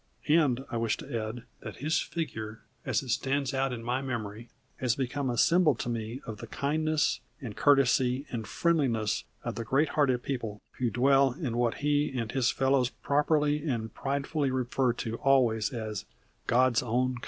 And I wish to add that his figure as it stands out in my memory has become a symbol to me of the kindness, and courtesy, and friendliness of the great hearted people who dwell in what he and his fellows properly and pridefully refer to always as "God's Own Country."